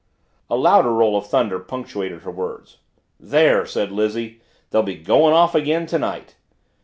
A louder roll of thunder punctuated her words. "There!" said Lizzie. "They'll be going off again to night."